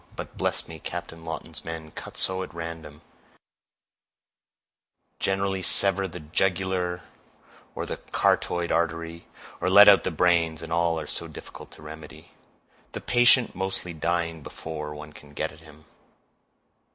But, bless me, Captain Lawton's men cut so at random—generally sever the jugular or the carotid artery, or let out the brains, and all are so difficult to remedy—the patient mostly dying before one can get at him.